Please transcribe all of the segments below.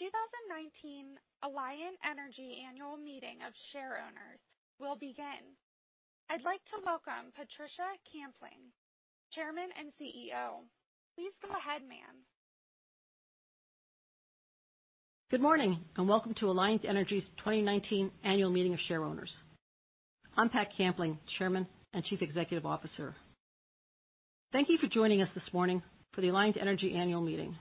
2019 Alliant Energy Annual Meeting of Share Owners will begin. I'd like to welcome Patricia Kampling, Chairman and CEO. Please go ahead, ma'am. Good morning, welcome to Alliant Energy's 2019 Annual Meeting of Share Owners. I'm Pat Kampling, Chairman and Chief Executive Officer. Thank you for joining us this morning for the Alliant Energy annual meeting.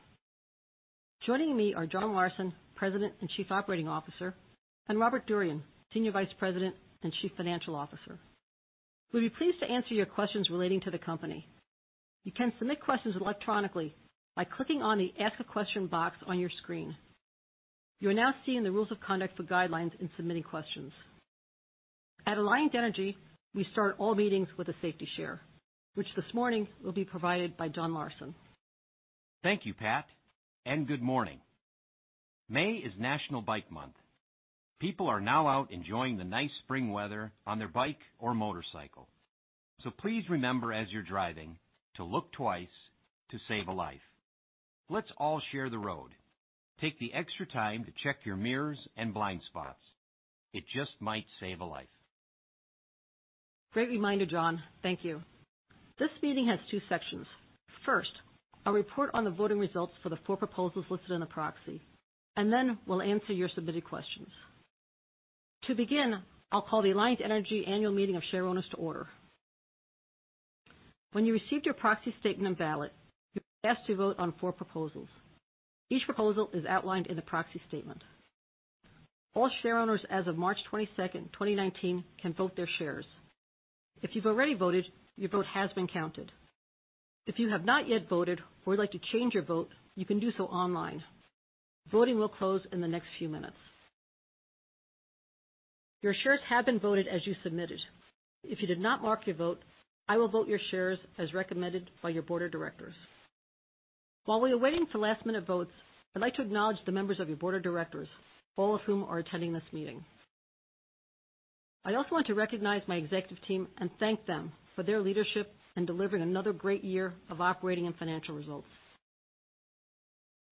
Joining me are John Larsen, President and Chief Operating Officer, and Robert Durian, Senior Vice President and Chief Financial Officer. We'll be pleased to answer your questions relating to the company. You can submit questions electronically by clicking on the Ask a Question box on your screen. You are now seeing the rules of conduct for guidelines in submitting questions. At Alliant Energy, we start all meetings with a safety share, which this morning will be provided by John Larsen. Thank you, Pat, good morning. May is National Bike Month. People are now out enjoying the nice spring weather on their bike or motorcycle. Please remember as you're driving, to look twice to save a life. Let's all share the road. Take the extra time to check your mirrors and blind spots. It just might save a life. Great reminder, John. Thank you. This meeting has two sections. First, a report on the voting results for the four proposals listed in the proxy, then we'll answer your submitted questions. To begin, I'll call the Alliant Energy Annual Meeting of Share Owners to order. When you received your proxy statement and ballot, you were asked to vote on four proposals. Each proposal is outlined in the proxy statement. All share owners as of March 22nd, 2019, can vote their shares. If you've already voted, your vote has been counted. If you have not yet voted or would like to change your vote, you can do so online. Voting will close in the next few minutes. Your shares have been voted as you submitted. If you did not mark your vote, I will vote your shares as recommended by your board of directors. While we are waiting for last-minute votes, I'd like to acknowledge the members of your board of directors, all of whom are attending this meeting. I also want to recognize my executive team and thank them for their leadership in delivering another great year of operating and financial results.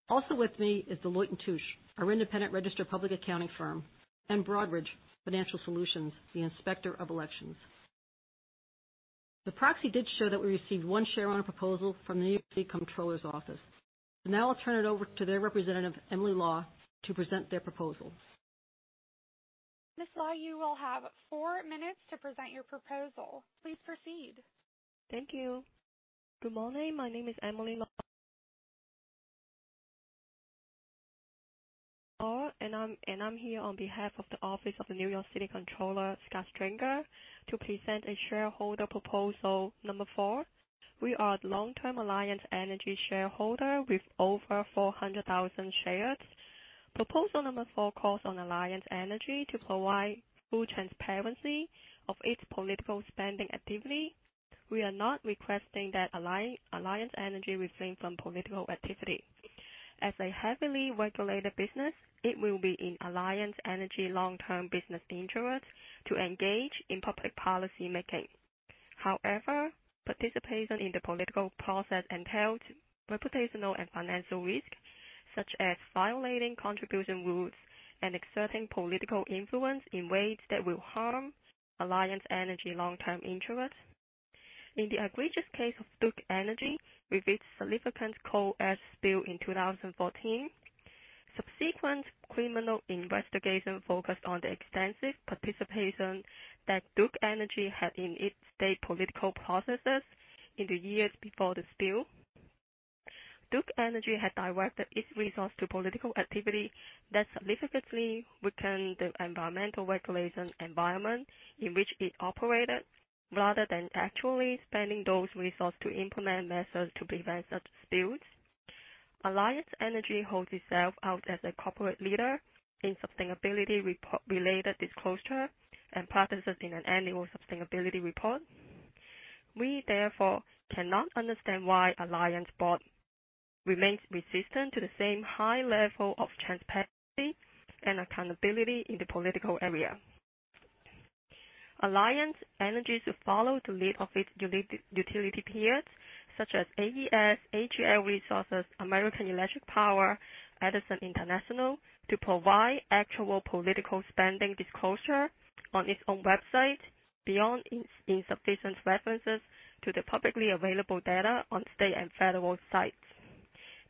Also with me is Deloitte & Touche, our independent registered public accounting firm, and Broadridge Financial Solutions, the inspector of elections. The proxy did show that we received one share owner proposal from the Office of the New York City Comptroller. Now I'll turn it over to their representative, Emily Law, to present their proposal. Miss Law, you will have four minutes to present your proposal. Please proceed. Thank you. Good morning. My name is Emily Law, I'm here on behalf of the Office of the New York City Comptroller, Scott Stringer, to present a shareholder proposal number four. We are a long-term Alliant Energy shareholder with over 400,000 shares. Proposal number four calls on Alliant Energy to provide full transparency of its political spending activity. We are not requesting that Alliant Energy refrain from political activity. As a heavily regulated business, it will be in Alliant Energy long-term business interest to engage in public policymaking. However, participation in the political process entails reputational and financial risk, such as violating contribution rules and exerting political influence in ways that will harm Alliant Energy long-term interest. In the egregious case of Duke Energy, with its significant coal ash spill in 2014, subsequent criminal investigation focused on the extensive participation that Duke Energy had in its state political processes in the years before the spill. Duke Energy had directed its resource to political activity that significantly weakened the environmental regulation environment in which it operated, rather than actually spending those resources to implement methods to prevent such spills. Alliant Energy holds itself out as a corporate leader in sustainability report related disclosure and practices in an annual sustainability report. We therefore cannot understand why Alliant's board remains resistant to the same high level of transparency and accountability in the political area. Alliant Energy should follow the lead of its utility peers such as AES, AGL Resources, American Electric Power, Edison International, to provide actual political spending disclosure on its own website beyond insufficient references to the publicly available data on state and federal sites.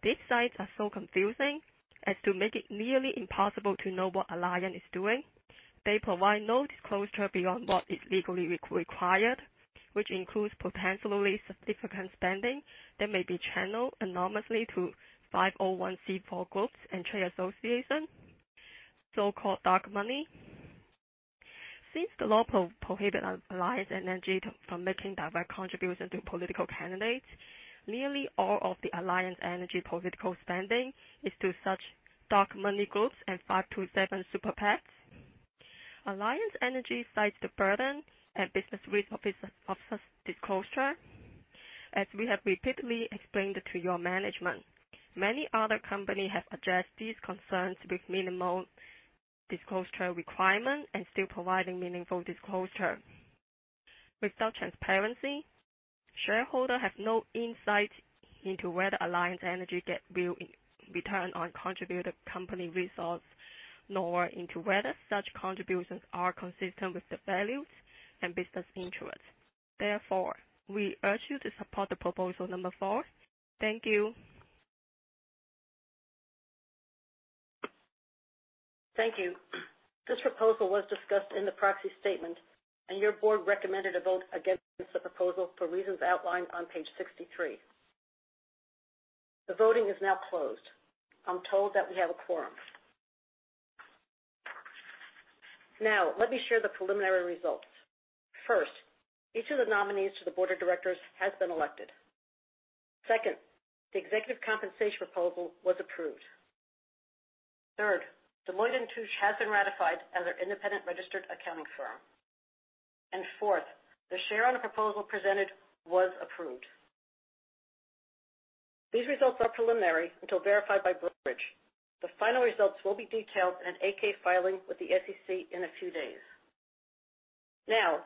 These sites are so confusing as to make it nearly impossible to know what Alliant is doing. They provide no disclosure beyond what is legally required, which includes potentially significant spending that may be channeled anonymously to 501(c)(4) groups and trade associations, so-called dark money. Since the law prohibits Alliant Energy from making direct contributions to political candidates, nearly all of the Alliant Energy political spending is to such dark money groups and 527 super PACs. Alliant Energy cites the burden and business risk of such disclosure. As we have repeatedly explained to your management, many other companies have addressed these concerns with minimal disclosure requirements and still providing meaningful disclosure. Without transparency, shareholder have no insight into whether Alliant Energy get real return on contributed company results, nor into whether such contributions are consistent with the values and business interests. Therefore, we urge you to support the proposal number four. Thank you. Thank you. This proposal was discussed in the proxy statement, your board recommended a vote against the proposal for reasons outlined on page 63. The voting is now closed. I'm told that we have a quorum. Let me share the preliminary results. First, each of the nominees to the board of directors has been elected. Second, the executive compensation proposal was approved. Third, Deloitte & Touche has been ratified as our independent registered accounting firm. Fourth, the shareowner proposal presented was approved. These results are preliminary until verified by Broadridge. The final results will be detailed in an 8-K filing with the SEC in a few days.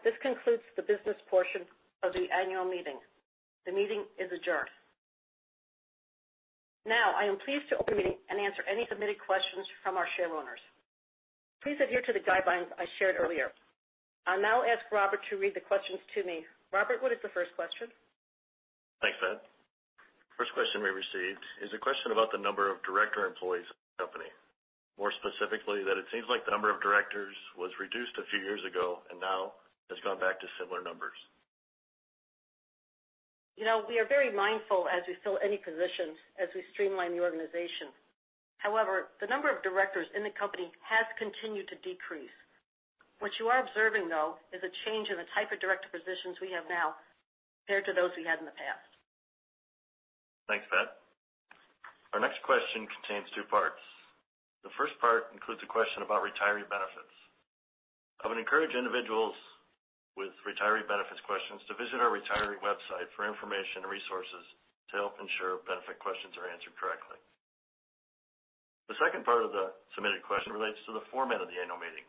This concludes the business portion of the annual meeting. The meeting is adjourned. I am pleased to open the meeting and answer any submitted questions from our shareowners. Please adhere to the guidelines I shared earlier. I'll now ask Robert to read the questions to me. Robert, what is the first question? Thanks, Pat. First question we received is a question about the number of director employees at the company. More specifically, that it seems like the number of directors was reduced a few years ago and now has gone back to similar numbers. We are very mindful as we fill any positions, as we streamline the organization. The number of directors in the company has continued to decrease. What you are observing, though, is a change in the type of director positions we have now compared to those we had in the past. Thanks, Pat. Our next question contains two parts. The first part includes a question about retiree benefits. I would encourage individuals with retiree benefits questions to visit our retiree website for information and resources to help ensure benefit questions are answered correctly. The second part of the submitted question relates to the format of the annual meeting.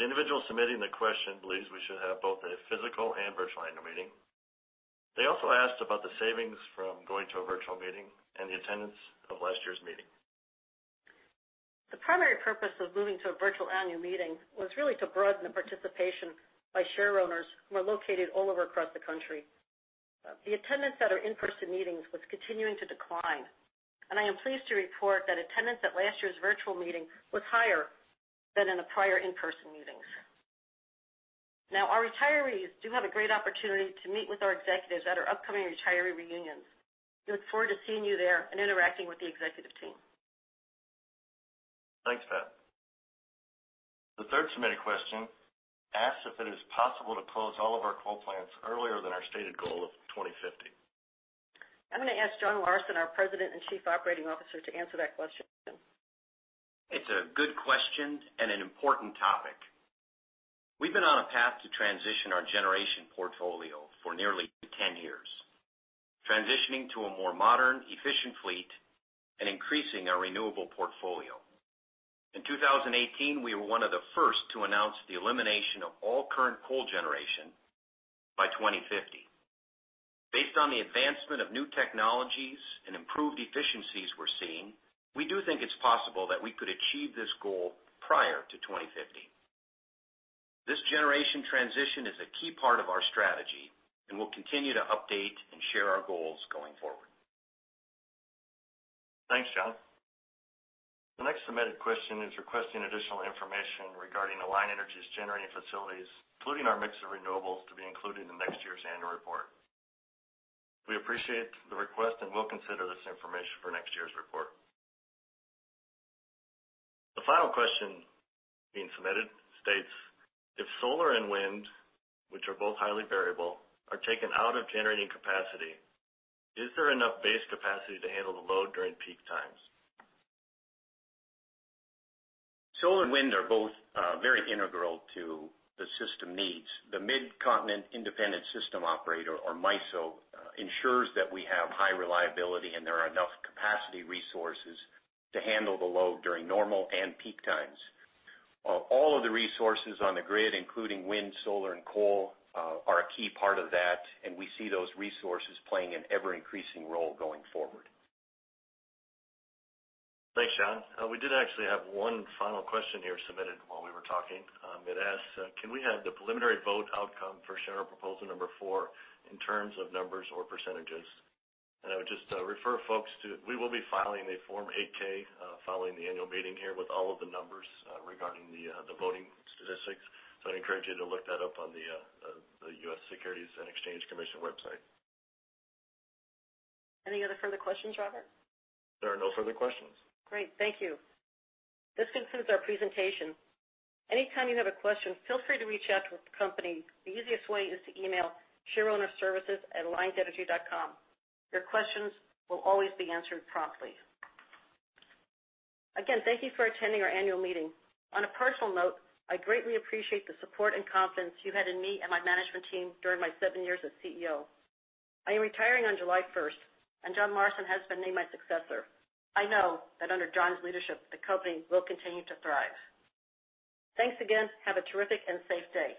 The individual submitting the question believes we should have both a physical and virtual annual meeting. They also asked about the savings from going to a virtual meeting and the attendance of last year's meeting. The primary purpose of moving to a virtual annual meeting was really to broaden the participation by shareowners who are located all over across the country. The attendance at our in-person meetings was continuing to decline. I am pleased to report that attendance at last year's virtual meeting was higher than in the prior in-person meetings. Our retirees do have a great opportunity to meet with our executives at our upcoming retiree reunions. We look forward to seeing you there and interacting with the executive team. Thanks, Pat. The third submitted question asks if it is possible to close all of our coal plants earlier than our stated goal of 2050. I'm going to ask John Larsen, our President and Chief Operating Officer, to answer that question. It's a good question and an important topic. We've been on a path to transition our generation portfolio for nearly 10 years, transitioning to a more modern, efficient fleet and increasing our renewable portfolio. In 2018, we were one of the first to announce the elimination of all current coal generation by 2050. Based on the advancement of new technologies and improved efficiencies we're seeing, we do think it's possible that we could achieve this goal prior to 2050. This generation transition is a key part of our strategy, and we'll continue to update and share our goals going forward. Thanks, John. The next submitted question is requesting additional information regarding Alliant Energy's generating facilities, including our mix of renewables to be included in next year's annual report. We appreciate the request and will consider this information for next year's report. The final question being submitted states: if solar and wind, which are both highly variable, are taken out of generating capacity, is there enough base capacity to handle the load during peak times? Solar and wind are both very integral to the system needs. The Midcontinent Independent System Operator, or MISO, ensures that we have high reliability and there are enough capacity resources to handle the load during normal and peak times. All of the resources on the grid, including wind, solar, and coal, are a key part of that, and we see those resources playing an ever-increasing role going forward. Thanks, John. We did actually have one final question here submitted while we were talking. It asks: can we have the preliminary vote outcome for shareowner proposal number four in terms of numbers or %? I would just refer folks to, we will be filing a Form 8-K following the annual meeting here with all of the numbers regarding the voting statistics. I'd encourage you to look that up on the U.S. Securities and Exchange Commission website. Any other further questions, Robert? There are no further questions. Great. Thank you. This concludes our presentation. Anytime you have a question, feel free to reach out to the company. The easiest way is to email shareownerservices@alliantenergy.com. Your questions will always be answered promptly. Again, thank you for attending our annual meeting. On a personal note, I greatly appreciate the support and confidence you had in me and my management team during my seven years as CEO. I am retiring on July 1st, and John Larsen has been named my successor. I know that under John's leadership, the company will continue to thrive. Thanks again. Have a terrific and safe day